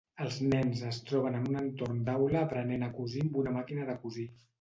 Els nens es troben en un entorn d'aula aprenent a cosir amb una màquina de cosir.